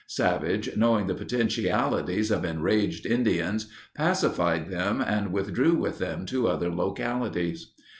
Savage, knowing the potentialities of enraged Indians, pacified them and withdrew with them to other localities.